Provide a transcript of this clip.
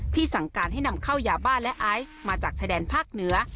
สั่งการให้นำเข้ายาบ้าและไอซ์มาจากชายแดนภาคเหนือ